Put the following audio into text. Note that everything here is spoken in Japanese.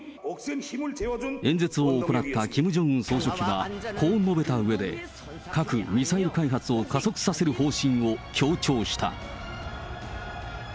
演説を行ったキム・ジョンウン総書記は、こう述べたうえで、核・ミサイル開発を加速させる方針を強調した。